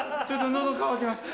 喉渇きました。